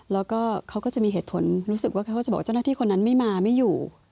แล้วก็เขาก็จะมีเหตุผลรู้สึกว่าเขาก็จะบอกเจ้าหน้าที่คนนั้นไม่มาไม่อยู่